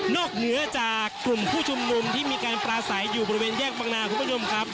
นอกเหนือจากกลุ่มผู้ชุมลุมที่มีการปลาใส่อยู่บริเวณแยกบังนาคม